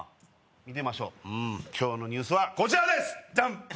見てみましょう今日のニュースはこちらですジャン！